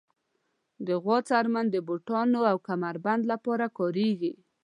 د غوا څرمن د بوټانو او کمر بند لپاره کارېږي.